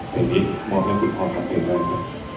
เพลงที่มอบให้คุณพ่อทำเพลงด้วย